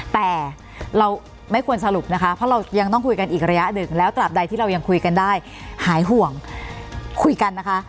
แต่เราไม่ควรสรุปนะคะเพราะเรายังต้องคุยกันอีกระยะหนึ่งแล้วตราบใดที่เรายังคุยกันได้หายห่วงคุยกันนะคะ